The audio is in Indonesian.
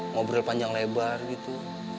ngobrol panjang lebar gitu